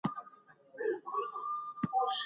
تاسو بايد د مطالعې له لاري د پوهي ډيوې بلې کړئ.